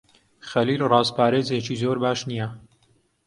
خەلیل ڕازپارێزێکی زۆر باش نییە.